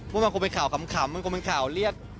บางคนเป็นข่าวขำมันคงเป็นข่าวเรียก